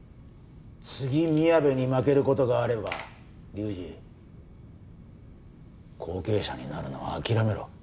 次みやべに負ける事があれば龍二後継者になるのは諦めろ。